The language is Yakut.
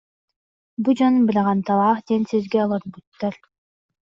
Бу дьон Быраҕанталаах диэн сиргэ олорбуттар